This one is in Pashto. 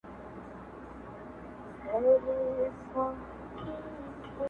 كه به زما په دعا كيږي.